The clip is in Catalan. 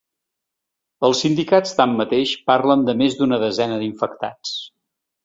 Els sindicats, tanmateix, parlen de més d’una desena d’infectats.